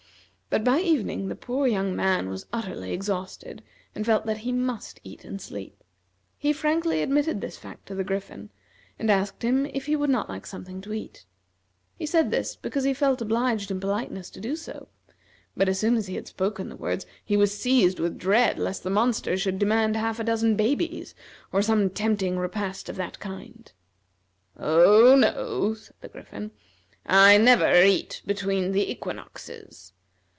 But by evening the poor young man was utterly exhausted, and felt that he must eat and sleep. He frankly admitted this fact to the Griffin, and asked him if he would not like something to eat. He said this because he felt obliged in politeness to do so, but as soon as he had spoken the words, he was seized with dread lest the monster should demand half a dozen babies, or some tempting repast of that kind. "Oh, no," said the Griffin, "I never eat between the equinoxes.